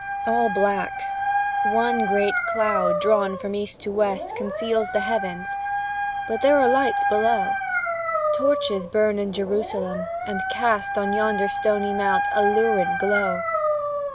All black one great cloud, drawn from east to west, Conceals the heavens, but there are lights below; Torches burn in Jerusalem, and cast On yonder stony mount a lurid glow.